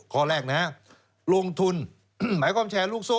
ข้อแรกนะฮะลงทุนหมายความแชร์ลูกโซ่